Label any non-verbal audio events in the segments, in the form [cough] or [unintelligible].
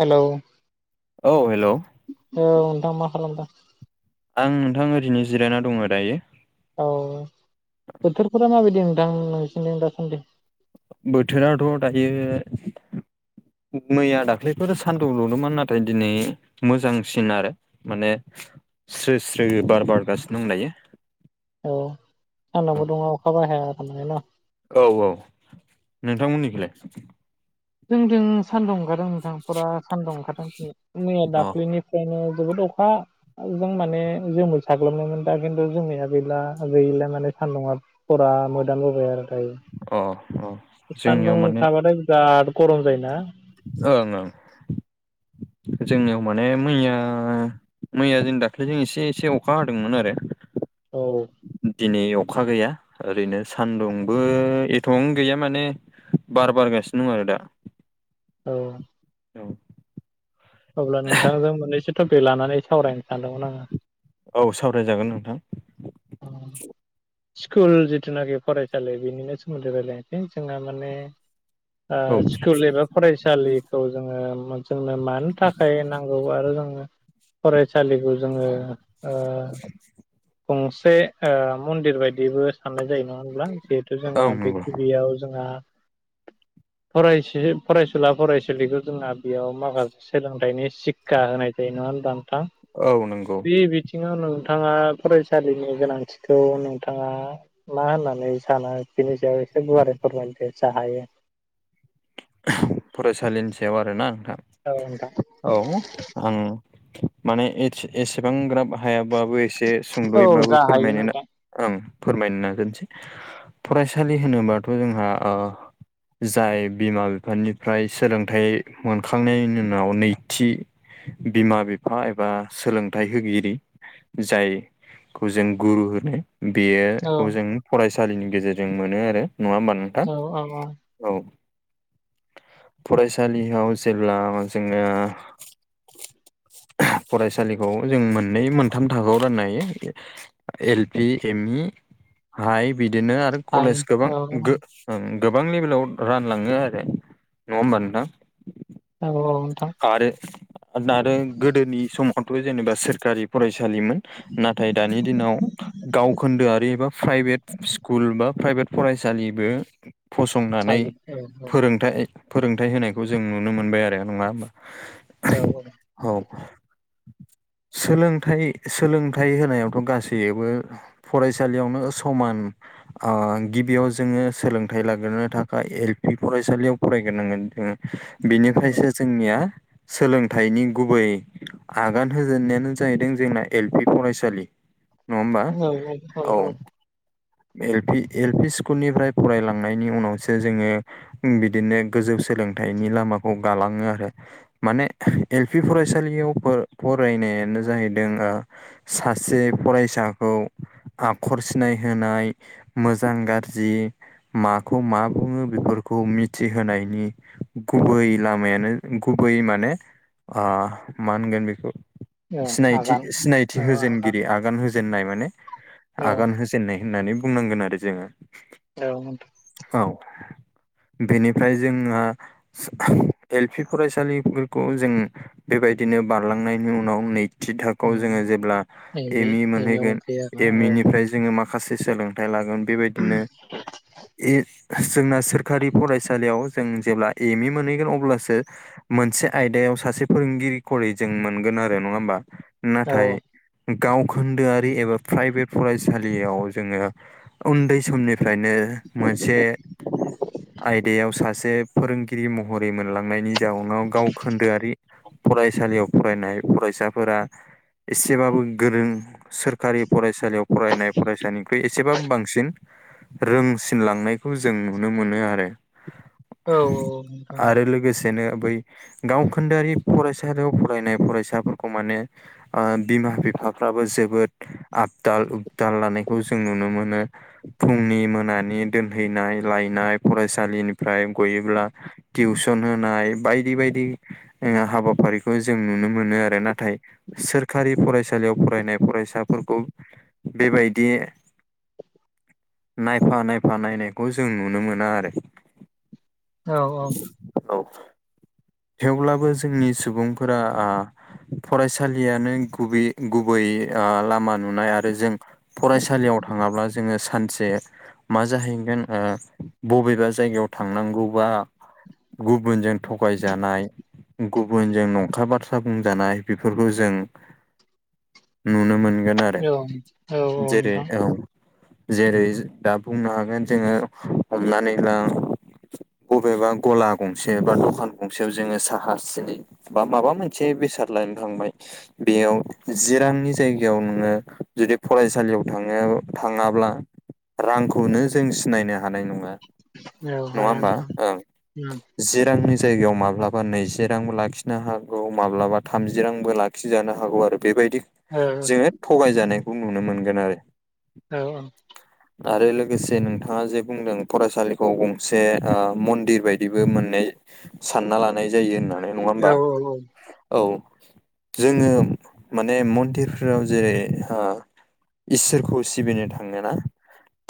Hello औ hello औ नोंथां मा खालामदों? आं नोंथां ओरैनो जिरायना दङ दायो। औ बोथोरफोरा माबायदि नोंथां नोंसिनिथिं दासान्दि? बोथोराथ' दायो मैया दाख्लैफोर सान्दुं दुंदोंमोन नाथाय दिनै मोजांसिन आरो माने स्रो स्रो बार बारगासिनं दायो। अ सानदुंबो दुङा अखाबो हाया आरो माने न'? औ औ नोंथां मोनिखैलाय? जोंदों सान्दुं ओंखारदों नोंथां फुरा सान्दुं ओंखारदों दिनै मैया अ दाख्लिनि फ्रायनो जोबोद अखा आरो जों माने जोमै साग्लोबनोमोन दा खिन्थु जोमैया गैला। गैला माने सान्दुङा फुरा मोदानबोबाय आरो दायो। अ अ। सान्दुं जोंनियाव माने थाबाथाय बिराद गरम जायोना। ओं ओं जोंनियाव माने मैया मैया जों दाख्लैजों एसे एसे अखा हादोंमोन आरो। औ औ। दिनै अखा गैया ओरैनो सानदुंबो एथबां गैया माने बार बारगासिनो दं आरो दा। औ औ अब्ला नोंथांजों मोननैसो टपिक लानानै सावरायनो सानदोंमोन आङो औ सावरायजागोन नोंथां अ स्कुल जिथुनाखि फरायसालि बेनिनो सोमोन्दै रायलायनोसै जोंहा माने आ औ स्कुल एबा फरायसालिखौ जोङो जोंनो मानो थाखाय नांगौ आरो जोंनो फरायसालिखौ जोङो ओ गंसे मन्दिर बायदिबो साननाय जायो मानो होनब्ला जिहेथु औ जोंहा नंगौ बेखौ बेयाव जोंहा फराय फरायसुला फरायसुलिखौ जोंना बेयाव माखासे सोलोंथाइनि सिक्षा होनाय जायो नङा होनबा नोंथां औ नंगौ बे बिथिङाव नोंथाङा फरायसालिनि गोनांथिखौ नोंथाङा मा होननानै सानो बिनि सायाव एसे गुवारै फोरमायदो जा हायो फरायसालिनि सायाव आरोना नोंथां औ नोंथां औ आं माने एसेबां ग्राब हायाबाबो एसे औ सुंद'यैबाबो जा हायो नोंथां फोरमायनों फोरमायनो नाजसै फरायसालि होनोबाथ जोंहा ओ जाय बिमा बिफानिफ्राय सोलोंथाइ मोनखांनायनि उनाव नैथि बिमा बिफा एबा सोलोंथाइ होगिरि जाय खौ जों गुरु होनो औ बेयोखौ जों फरायसालिनि गेजेरजों मोनो आरो नङा होमबा नोंथां औ औ औ औ फरायसालियाव जेब्ला जोङो [inaudible] फरायसालिखौ जों मोननै मोनथाम थाखोआव राननो हायो L P M E high बिदिनो आरो हायो कलेज गोबां औ गोबां लेभेलाव रान लाङो आरो नङा होनबा नोंथां अ नोंथां आरो दादो गोदोनि समावथ जेनेबा सोरखारि फरायसालिमोन नाथाय दानि दिनाव गावखोन्दोआरि एबा प्राइभेट स्कुल बा प्राइभेट फरायसालिबो [unintelligible] फोरोंथाय फोरोंथाय होनायखौ जों नुनो मोनबाय आरो नङा होमबा औ औ औ सोलोंथाइ सोलोंथाइ होनायावथ गासैबो फरायसालियावनो समान आ गिबियाव जोङो सोलोंथाइ लाग्रोनो थाखाय एल पि फरायसालियाव फरायग्रोनांगोन जो बेनिखायसो जोंनिया सोलोंथाइनि गुबै आगान होजेननायानो जाहैदों जोंना एल पि फरायसालि नङा होमबा औ एल पि एल पि स्कुलनिफ्राय फरायलांनायनि उनावसो जोङो बिदिनो गोजौ सोलोंथाइनि लामाखौ गालाङो आरो माने एल पि फरायसालियाव फ फरायनायानो जाहैदों ओ सासे फरायसाखौ आखर सिनाय होनाय मोजां गाज्रि माखौ मा बुङो बेफोरखौ मिथिहोनायनि गुबै लामायानो गुबै माने मा होनगोन बेखौ औ सिनायथि आगान सिनायथि होजेनगिरि आगान होजेननाय माने औ आगान होज होन्नाय होननानै बुंनांगोन आरो जोङो औ नोंथा औ बेनिफ्राय जोङो एल पि फरायसालिफोरखौ जों बेबायदिनो बारलांनायनि उनाव नै थि थाखोआव जोङो जेब्ला ए एम इ ए आव मोनहैगोन मोनफैयो एम इ आरो ना निफ्राय जोङो मा माखासे सोलोंथाइ लागोन बेबायदिनो जोंना सोरखारि फरायसालियाव जों जेब्ला एम इ मोनहैगोन अब्लासो मोनसे आयदायाव सासे फोरोंगिरि खल जों मोनगोन आरो नङा होमबा औ नाथाय गाव खोन्दोआरि एबा प्राइभेट फरायसालियाव जोङो उन्दै समनि फ्रायनो मोनसे आयदायाव सासे फोरोंगिरि महरै मोनलांनायनि जाउनाव गाव खोन्दोआरि फरायसालियाव फरायनाय फरायसाफोरा एसेबाबो गोरों सोरखारि फरायसालियाव फरायनाय फरायसानि एसेबो बांसिन रोंसिनलांनायखौ जों नुनो मोनो आरो औ औ नोंथां आरो लोगोसेनो बै गावखोन्दोआरि फरायसालियाव फरायनाय फरायसा खौ माने बिमा बिफाफ्राबो जोबोद आबदाल उपदाल लानाय खौ जों नुनो मोनो फुंनि मोनानि दोनहैनाय लायनाय फरायसालिनिफ्राय गयोब्ला टिउसन होनाय बायदि बायदि जोङो हाबाफारिखौ जों नुनो मोनो आरो नाथाय सोरखारि फरायसालियाव फरायनाय फरायसाफोरखौ बेबाय बे नायफा नायफा नायनायखौ जों नुनो मोना आरो औ औ औ थेवब्लाबो जोंनि सुबुंफोरा आ फरायसालियानो गुबै गुबै ओ लामा नुनाय आरो जों फरायसालियाव थाङाब्ला जोङो सानसे मा जाहैगोन ओ बबेबा जायगायाव थांनांगौबा गुबुनजों थगायजानाय गुबुनजों नंखाय बाथ्रा बुंजानाय बेफोरखौ जों नुनो मोनगोन आरो औ औ जेरै नोंथां औ जेरै दा बुंनो हागोन जोङो हमनानै ला बबेबा गला गंसे बा दखान गंसेयाव जोङो साहा सिनि बा माबा मोनसे बेसाद लायानो थांबाय बेयाव जि रांनि जायगायाव नोङो जुदि फराय- सालियाव थाङो थाङाब्ला रांखौनो जों सिनायनो हानाय नङा औ नङा हाया होमबा नोंथां ओं उम जि रांनि जायगायाव माब्लाबा नैजि रांबो लाखिनो हागौ माब्लाबा थामजि रांबो ला- खिजानो हागौ आरो बेबायदि औ जोङो थगायजानायखौ नुनो मोनगोन आरो औ औ आरो लोगोसे नोंथाङा जे बुंदों फरायसालिखौ गंसे मन्दिर ओ बायदिबो मोननाय सानना लानाय जायो होननानै नङा औ होमबा औ जोङो माने मन्दिरफोराव जेरै ओ इसोरखौ सिबिनो थाङोना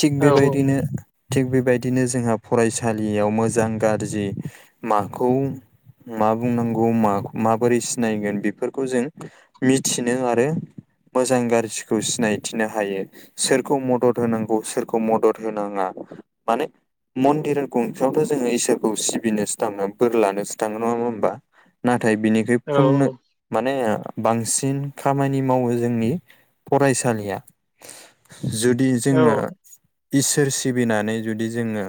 थिग औ बेबायदिनो थिग बेबायदिनो जोंहा फरायसालियाव मोजां गारजि माखौ मा बुंनांगौ मा माबोरै सिनायगोन बेफोरखौ जों मिथिनो आरो मोजां गारजिखौ सिनाय थिनो हायो सोरखौ मदद होनांगौ सोरखौ मदद होनाङा माने मन्दिर गंसेयावथ जोङो इसोरखौ सिबिनोसो थाङो बोर लानोसो थाङो नङा होमबा नाथाय बिनि बे फुननो माने बांसिन खामानि मावो जोंनि फरायसालिया जुदि जोङो इसोर सिबिनानै जुदि जोङो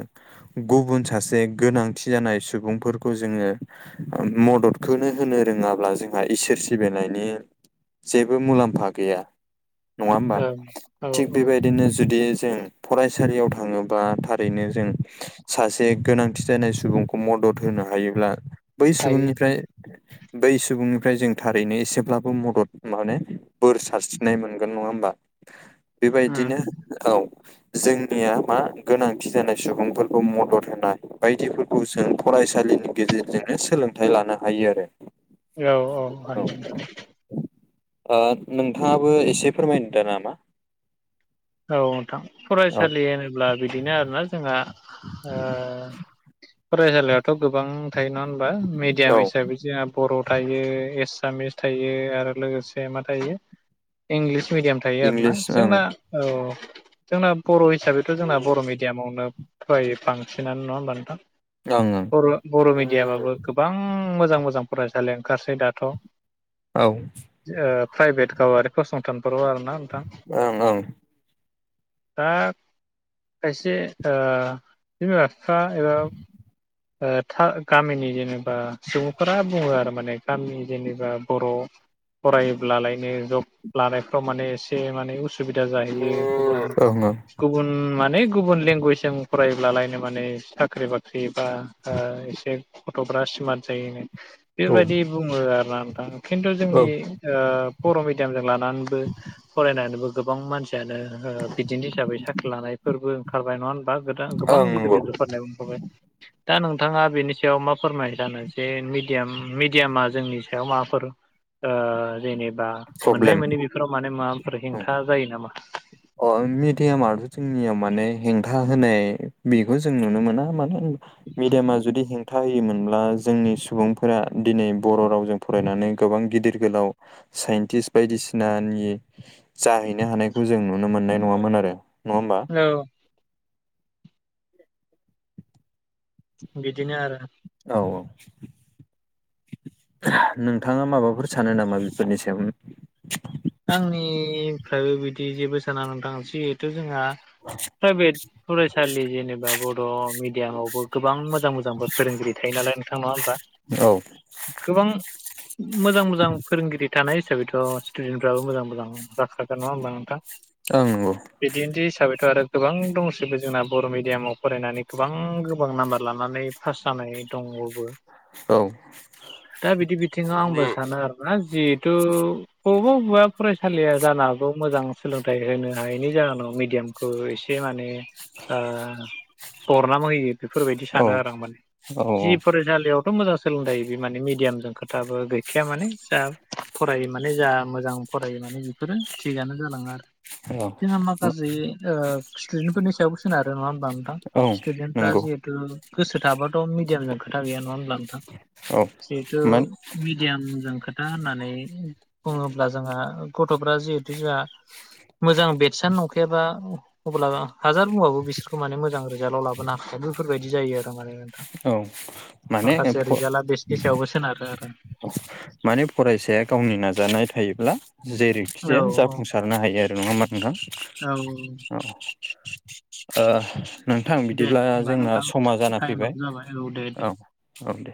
गुबुन सासे गोनांथि जानाय सुबुंफोरखौ जोङो ओ मददखौनो होनो रोङाब्ला जोंहा इसोर सिबिनायनि जेबो मुलाम्फा गैया नङा हो औ हायो उम थिग बेबायदिनो जुदि जों फरायसालियाव थाङोबा थारैनो जों सासे गोनांथि जानाय सुबुंखौ मदद होनो हायोब्ला बै सुबुंनिफ्राय बै सुबुंनिफ्राय जों थारैनो एसेब्लाबो मदद माने बोर सारस्रिनाय मोनगोन नङा होमबा बेबायदिनो औ जोंनिया मा गोनांथि जानाय सुबुंफोरखौ मदद होनाय बायदिफोरखौ जों फरायसालिनि गेजेरजोंनो सोलोंथाइ लानो हायो आरो औ औ हयो ओ नोंथाङाबो एसे फोरमायनो दा नामा औ नोंथां फरायसालि होनोब्ला बिदिनो आरोना जोंहा ओ फरायसालियावथ गोबां थायो नङा होनबा मेडियाम औ हिसाबै जोंहा बर' थायो एसामिस थायो आरो लोगोसे मा थायो इंलिस मिडियाम थायो थायो आरोना इंलिस ओं जोंना औ जोंना बर' हिसाबैथ जोंना बर' ओं मिडियामावनो फरायो बांसिनानो नङा होमबा नोथां ओं ओं बर' बर' मिडियामाबो गोबां मोजां मोजां फरायसालि ओंखारसै दाथ औ। प्राइभेट गावारि फसंथानफोराव आरोना नोंथां ओं ओं दा खायसे ओ बिमा बिफा एबा ओ था गामिनि जेनेबा सुबुंफोरा बुङो आरो माने गामिनि जेनेबा बर' फरायोब्लालायनो जब लानायफ्राव माने एसे माने उसु बिदा जाहैयो गुबुन ओं ओं गुबु न माने गुबुन लेंगुवेजजों फरायब्लालायनो माने साख्रि बाख्रि बा एसे गथ'फ्रा स्मार्ट जायोन औ बेबायदि बुङो आरो ना नोंथां खिन्थु जोंनि ओ बर' मिडियामजों लानानैबो फरायनानैबो गोबां मानसियानो बिदिनो हिसाबै साख्रि लानायफोरबो ओंखारबाय नङा होनबा गो गोबां ओं गिदिर नंगौ गिदिर फरायनायबो ओंखारबाय दा नोंथाङा बेनि सायाव मा फोरमाय जानो जे मिडयाम मिडियामा जोंनि सायाव माफोर जेनेबा प्रब्लेम मोननाय मोनै बेफोराव माने माबाफोर औ हेंथा जायो नामा? अ मिडियामथ जोंनियाव माने हेंथा होनाय बेखौ जों नुनो मोना मानो होना मिदियामा जुदि हेंथा होयोमोनब्ला जोंनि सुबुंफोरा दिनै बर' रावजों फरायनानै गोबां गिदिर गोलाव साइन्टिस्त बायदिसिनानि जाहैनो हानायखौ जों नुनो मोननाय नङामोन आरो नङा होमबा? औ बिदिनो आरो औ औ नोंथाङा माबाफोर सानो नामा बेफोरनि सायाव आंनिफ्रायबो बिदि जेबो साना नोथां जि जोंहा प्राइभेट फरायसालि जेनेबा बर' मिडि यानावबो गोबां मोजां मोजांबो फोरोंगिरि थायो नालाय नोंथां नङा होनबा औ ओं गोबां मोजां मोजां फोरोंगिरि थानाय हिसाबैथ स्टुडेन्ट फोराबो मोजां मोजां जाखागोन नङा होनोमबा नोंथां औं नंगौ बिदिन्थि हिसाबैथ आरो गोबां दंजोैबो जोंना बर' मिडियामाव फरायनानै गोबां गोबां नाम्बार लानानै फास जानाय दंबाबो औ दा बिदि बिथिङाव आंबो सानो आरोना जिहेथु अबाव बा फरायसालिया जानो हागौ मोजां सोलोंथाइ होनो हायैनि जाहोनाव मिडियामखौ एसे माने ओ बरनाम होयो बेफोरबायदि औ सानो आरो आं माने जि फरायसालियाव थ मोजां सोलोंदायो बे माने मिडियामजों खोथाबो गैखाया माने जा फरायो माने जा मोजां फरायोननानै बेफोरो थिगानो जालाङो आरो औ जोंहा औ माखासे स्टुदेन्ट फोरनि सायावबो सोनारो नङा होनब्ला नोंथां औ स्टुडेन्टफ्रा नंगौ जिहेतु गोसो थाबाथ मिडियामजों खोथा गैया नङा होनब्ला नोंथां औ जिहेथु मान मिडियामजों खोथा होननानै बुङोब्ला जोंहा गथ'फ्रा जिहेथु जोंहा मोजां बेदसानो नंखायाबा अब्ला हाजार बुङाबो बिसोरखौ माने मोजां रिजाल्टआव लाबोनो हाखाया बेफोरबायदि जायो आरो माने औ माने माखासे फ रिजाल्टआ बेथसनि सायावबो सोनारो आरो माने फरायसाया गावनि नाजानाय थायोब्ला जेरैखि औ जाया जाफुंसार नो हायो नङा होमबा नोंथां औ औ नोंथां दे बिदिब्ला होमबा जोंना नोंथां समा जाना टाइमाबो फैबाय जाबाय औ दे दे औ औ दे